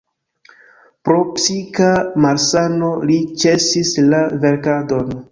Pro psika malsano li ĉesis la verkadon.